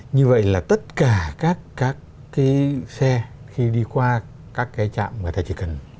như vậy là tất cả các xe khi đi qua các trạm chỉ cần quẹt thẻ thôi là có thể thống kê được